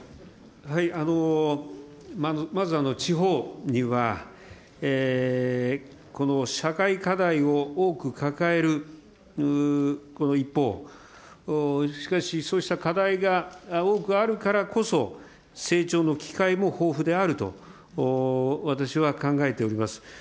まず、地方には、この社会課題を多く抱える一方、しかしそうした課題が多くあるからこそ、成長の機会も豊富であると私は考えております。